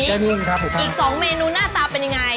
และนู่นครับผมอีกสองเมนูหน้าตาเป็นยังไง